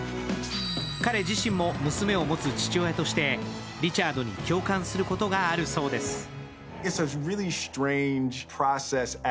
彼自身も娘を持つ父親としてリチャードに共感することがあるそうです。